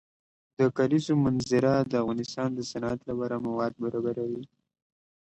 د کلیزو منظره د افغانستان د صنعت لپاره مواد برابروي.